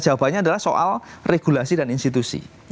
jawabannya adalah soal regulasi dan institusi